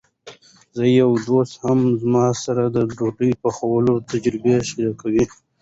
زما یو دوست هم زما سره د ډوډۍ پخولو تجربې شریکولې.